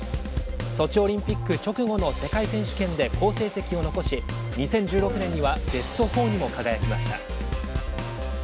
ソチオリンピック直後の世界選手権で好成績を残し２０１６年にはベスト４にも輝きました。